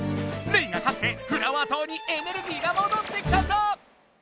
レイが勝ってフラワー島にエネルギーがもどってきたぞ！